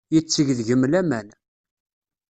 Yetteg deg-m laman.